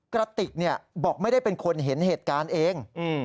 กระติกบอกไม่ได้เป็นคนเห็นเหตุการณ์เอง